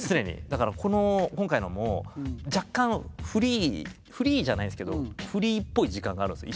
だからこの今回のも若干フリーフリーじゃないですけどフリーっぽい時間があるんです一瞬。